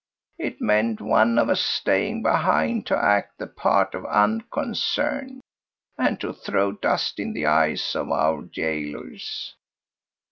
It meant one of us staying behind to act the part of unconcern and to throw dust in the eyes of our jailers.